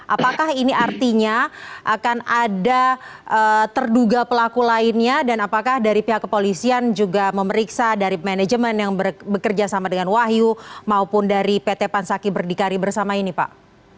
apakah ini artinya akan ada terduga pelaku lainnya dan apakah dari pihak kepolisian juga memeriksa dari manajemen yang bekerja sama dengan wahyu maupun dari pt pansaki berdikari bersama ini pak